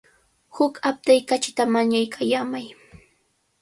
Huk aptay kachita mañaykallamay.